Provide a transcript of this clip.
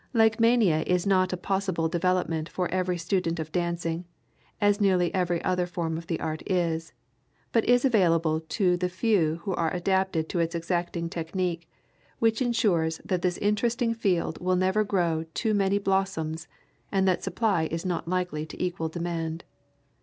Legmania is not a possible development for every student of dancing, as nearly every other form of the art is, but is available to the few who are adapted to its exacting technique, which insures that this interesting field will never grow too many blossoms, and that supply is not likely to equal demand.